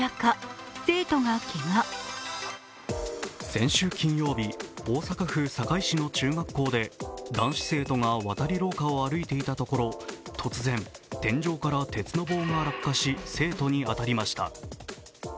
先週金曜日大阪府堺市の中学校で男子生徒が渡り廊下を歩いていたところ、突然、天井から鉄の棒が落下し生徒に当たりました。